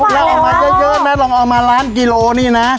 แต่กิโลที่เกี่ยวน้องเอามาล้านกิโลเลยนะ